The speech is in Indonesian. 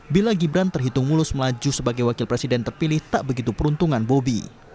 bila gibran terhitung mulus melaju sebagai wakil presiden terpilih tak begitu peruntungan bobi